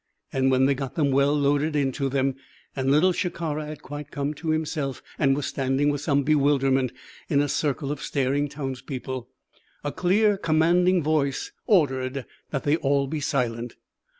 And when they got them well loaded into them, and Little Shikara had quite come to himself and was standing with some bewilderment in a circle of staring townspeople, a clear, commanding voice ordered that they all be silent.